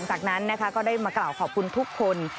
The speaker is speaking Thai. จากนั้นนะคะก็ได้มากล่าวขอบคุณทุกคน